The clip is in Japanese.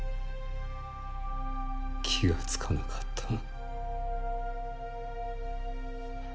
気がつかなかったな。